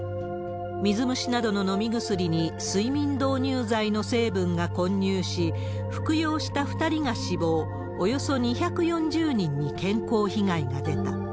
水虫などの飲み薬に睡眠導入剤の成分が混入し、服用した２人が死亡、およそ２４０人に健康被害が出た。